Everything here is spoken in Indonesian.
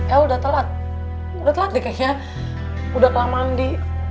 eh udah telat udah telat deh kayaknya udah kela mandi